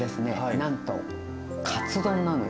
なんとカツ丼なのよ。